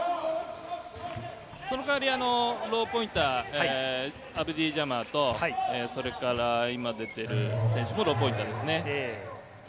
その代わりローポインターのアブディ・ジャマと、今出ている選手もローポインターですね。